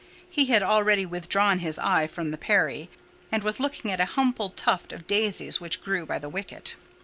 He had already withdrawn his eye from the Peri, and was looking at a humble tuft of daisies which grew by the wicket.